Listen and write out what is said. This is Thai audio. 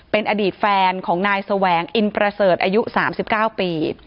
เป็นอดีตแฟนของนายแสวงอินประเสริฐอายุ๓๙ปี